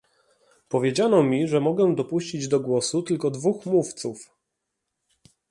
Powiedziano mi, że mogę dopuścić do głosu tylko dwóch mówców